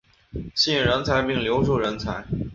吸引人才并留住人才